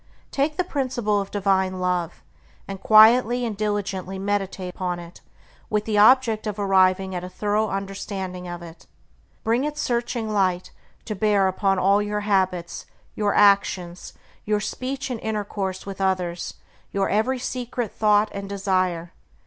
Take the principle of divine Love, and quietly and diligently meditate upon it with the object of arriving at a thorough understanding of it. Bring its searching light to bear upon all your habits, your actions, your speech and intercourse with others, your every secret thought and desire.